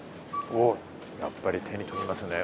お、やっぱり手に取りますね。